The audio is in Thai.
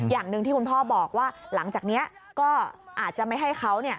อย่างหนึ่งที่คุณพ่อบอกว่าหลังจากนี้ก็อาจจะไม่ให้เขา